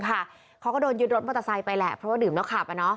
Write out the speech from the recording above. เขาก็โดนยึดรถมอเตอร์ไซค์ไปแหละเพราะว่าดื่มแล้วขับ